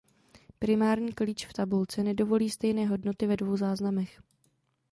Primární klíč v tabulce nedovolí stejné hodnoty ve dvou záznamech.